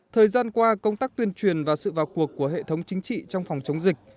thời gian qua công tác tuyên truyền và sự vào cuộc của hệ thống chính trị trong phòng chống dịch